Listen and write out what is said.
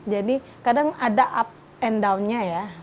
jadi kadang ada up and downnya ya